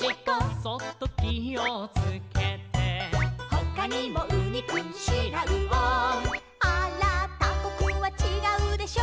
「そっときをつけて」「ほかにもウニくんシラウオ」「あーらータコくんはちがうでしょ」